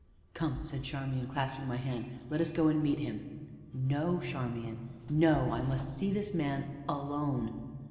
"Come," said Charmian, clasping my hand, "let us go and meet him." "No, Charmian, no I must see this man alone.